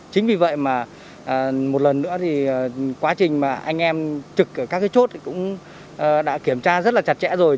chính vì vậy mà một lần nữa thì quá trình mà anh em trực ở các cái chốt cũng đã kiểm tra rất là chặt chẽ rồi